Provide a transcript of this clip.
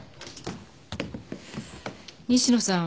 西野さん